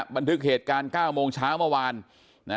บันทึกเหตุการณ์๙โมงเช้าเมื่อวานนะ